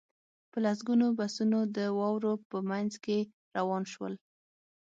په لسګونه بسونه د واورو په منځ کې روان شول